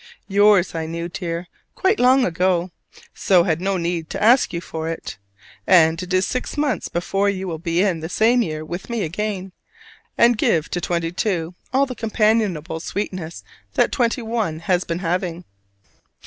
Yours, I knew, dear, quite long ago, so had no need to ask you for it. And it is six months before you will be in the same year with me again, and give to twenty two all the companionable sweetness that twenty one has been having.